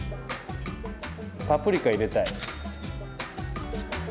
パプリカ入れたい。